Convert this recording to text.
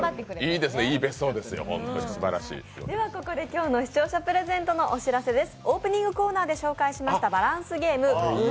ではここで今日の視聴者プレゼントのお知らせです。